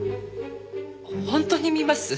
本当に見ます？